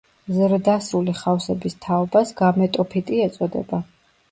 ზრდასრული ხავსების თაობას გამეტოფიტი ეწოდება.